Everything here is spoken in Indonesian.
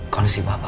kondisi bapak pak